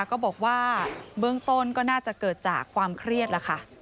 ก็บอกว่าเบื้องต้นก็น่าจะเกิดจากความเครียดแล้วค่ะ